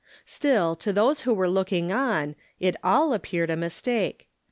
' Still, to those who were looking on, it all ap peared a mistake.